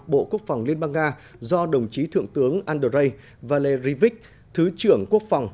bộ quốc phòng liên bang nga do đồng chí thượng tướng andrei valerivich thứ trưởng quốc phòng